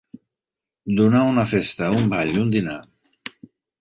Donar una festa, un ball, un dinar.